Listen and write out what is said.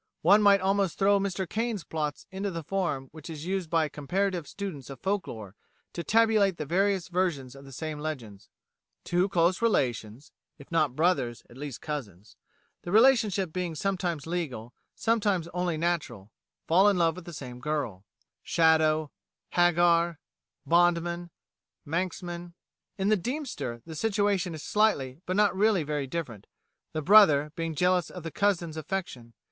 One might almost throw Mr Caine's plots into the form which is used by comparative students of folk lore to tabulate the various versions of the same legends. Two close relations (if not brothers, at least cousins) the relationship being sometimes legal, sometimes only natural, fall in love with the same girl ('Shadow,' 'Hagar,' 'Bondman,' 'Manxman'); in 'The Deemster' the situation is slightly but not really very different, the brother being jealous of the cousin's affection.